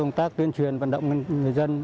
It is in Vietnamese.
công tác tuyên truyền vận động người dân